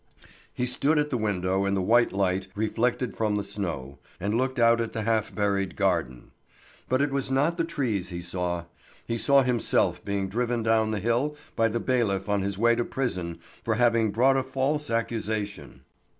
He stood at the window in the white light reflected from the snow, and looked out at the half buried garden. But it was not the trees he saw. He saw himself being driven down the hill by the bailiff on his way to prison for having brought a false accusation.